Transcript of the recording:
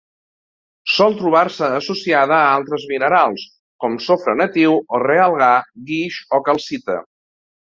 Sol trobar-se associada a altres minerals com: sofre natiu, realgar, guix o calcita.